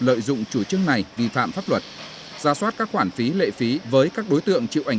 lợi dụng chủ trương này vi phạm pháp luật ra soát các khoản phí lệ phí với các đối tượng chịu ảnh